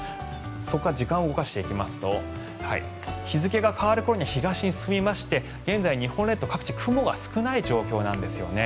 そこから時間を動かしていきますと日付が変わる頃に東に進みまして現在、日本列島各地雲が少ない状況なんですよね。